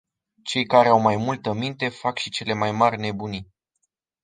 Cei care au mai multă minte fac și cele mai mari nebunii.